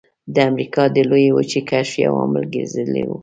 د امریکا د لویې وچې کشف یو عامل ګرځېدلی و.